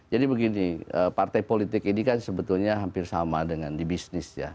jadi begini partai politik ini kan sebetulnya hampir sama dengan di bisnis ya